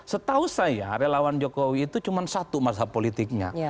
setahu saya relawan jokowi itu cuma satu masa politiknya